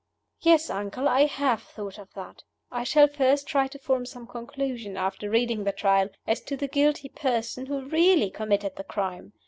"Yes, uncle; I have thought of that. I shall first try to form some conclusion (after reading the Trial) as to the guilty person who really committed the crime.